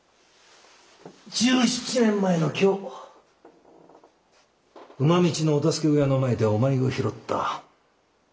１７年前の今日馬道のお助け小屋の前でお前を拾った。